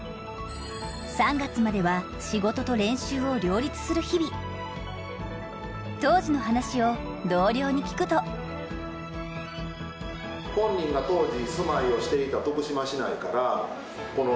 ３月まではする日々当時の話を同僚に聞くと本人が当時。